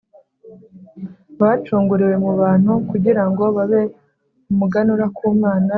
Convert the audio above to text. Bacunguriwe mu bantu kugira ngo babe umuganura ku Mana no ku Mwana w’Intama